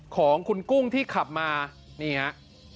ของคุณกุ้งที่ขับมานี่ฮะ